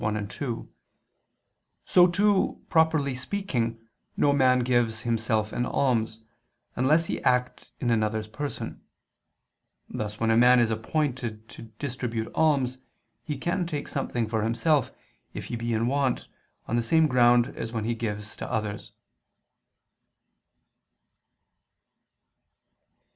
1, 2), so too, properly speaking, no man gives himself an alms, unless he act in another's person; thus when a man is appointed to distribute alms, he can take something for himself, if he be in want, on the same ground as when he gives to others.